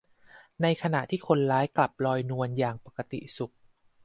ในขณะที่คนร้ายกลับลอยนวลอย่างปกติสุข